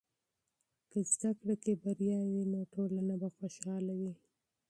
که تعلیم کې بریا وي، نو ټولنه به خوشحاله وي.